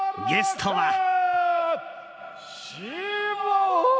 ゲストは。